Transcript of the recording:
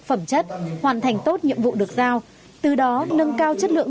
phẩm chất hoàn thành tốt nhiệm vụ được giao từ đó nâng cao chất lượng